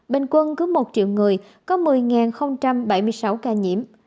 bình quân cứ một triệu người có một mươi bảy mươi sáu ca nhiễm